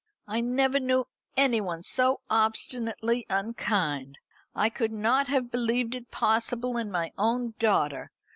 "I never knew anyone so obstinately unkind. I could not have believe it possible in my own daughter.